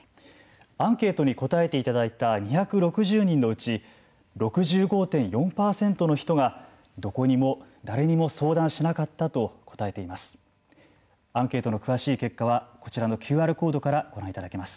アンケートに答えていただいた２６０人のうち６５．４％の人がどこにも誰にも相談しなかったと答えています。